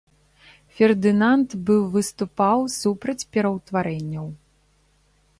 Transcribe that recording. Фердынанд быў выступаў супраць пераўтварэнняў.